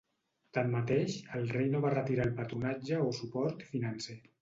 Tanmateix, el rei no va retirar el patronatge o suport financer.